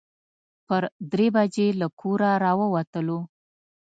پر درې بجې له کوره راووتلو.